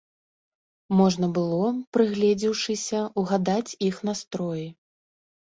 Можна было, прыгледзеўшыся, угадаць іх настроі.